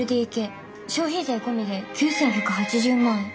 消費税込みで９，１８０万円。